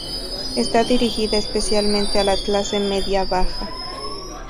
Está dirigida especialmente a la clase media baja.